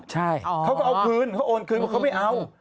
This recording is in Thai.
ใช่เขาก็เอาคืนเขาโอนคืนว่าเขาไม่เอา